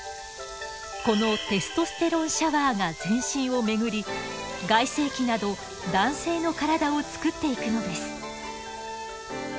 このテストステロンシャワーが全身を巡り外性器など男性の体を作っていくのです。